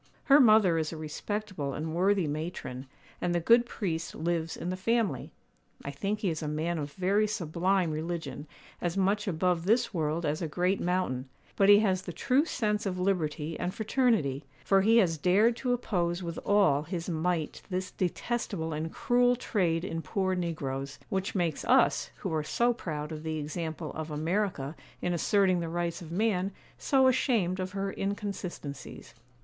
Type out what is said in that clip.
Her mother is a respectable and worthy matron, and the good priest lives in the family. I think he is a man of very sublime religion, as much above this world as a great mountain; but he has the true sense of liberty and fraternity, for he has dared to oppose with all his might this detestable and cruel trade in poor negroes; which makes us, who are so proud of the example of America in asserting the rights of man, so ashamed for her inconsistencies.